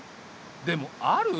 でもある？